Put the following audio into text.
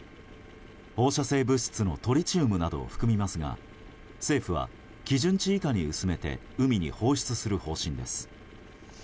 放射性物質のトリチウムなどを含みますが政府は基準値以下に薄めて海に放出する方針です。